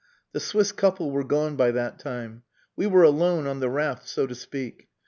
The Swiss couple were gone by that time. We were alone on the raft, so to speak. Mr.